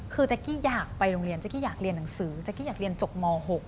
คือแจ๊กกี้อยากไปโรงเรียนเจ๊กี้อยากเรียนหนังสือแจ๊กกี้อยากเรียนจบม๖